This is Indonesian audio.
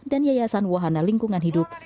dan yayasan wahana lingkungan hidup